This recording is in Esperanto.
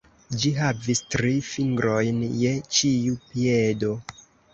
Ĝi havis tri fingrojn je ĉiu piedo.